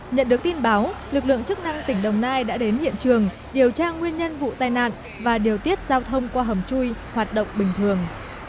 nhận được tin báo lực lượng chức năng tỉnh đồng nai đã đến hiện trường điều tra nguyên nhân vụ tai nạn và điều tiết giao thông qua hầm chui hoạt động bình thường